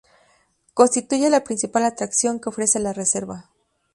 Constituye la principal atracción que ofrece la Reserva.